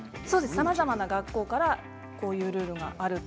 さまざまな学校からこういうルールがあると。